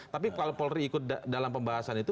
tapi kalau polri ikut dalam pembahasan itu